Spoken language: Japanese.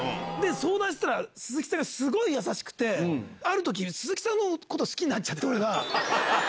相談したら鈴木さんがすごい優しくてある時鈴木さんのこと好きになっちゃって俺が。